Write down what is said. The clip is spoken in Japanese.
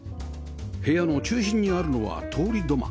部屋の中心にあるのは通り土間